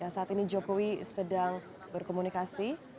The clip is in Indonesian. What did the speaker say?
saat ini joko widodo sedang berkomunikasi